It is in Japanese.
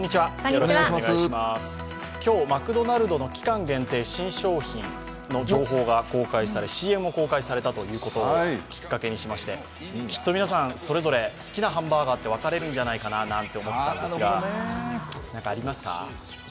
今日、マクドナルドの期間限定新商品の情報が公開されＣＭも公開されたということをきっかけにしまして、きっと皆さん、それぞれ好きなハンバーガーって分かれるんじゃないかなと思ったんですが、何かありますか？